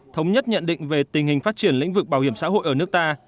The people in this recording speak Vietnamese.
thống nhất nhận định về tình hình phát triển lĩnh vực bảo hiểm xã hội ở nước ta